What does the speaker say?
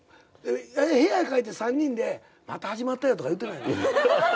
部屋帰って３人でまた始まったよとか言うてない？